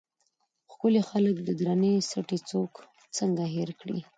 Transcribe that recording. ښکلي خلک او درنې سټې څوک څنګه هېر کړي.